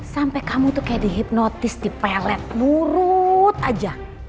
sampai kamu tuh kayak dihipnotis dipelet murut aja